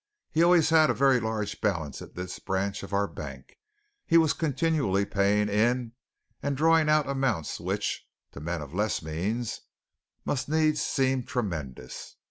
He always had a very large balance at this branch of our bank; he was continually paying in and drawing out amounts which, to men of less means, must needs seem tremendous.